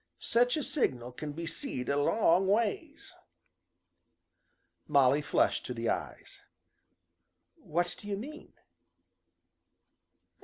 Sech a signal can be seed a long ways." Molly flushed to the eyes. "What do you mean?"